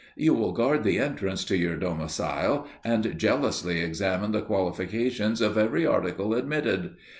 You will guard the entrance to your domicile and jealously examine the qualifications of every article admitted.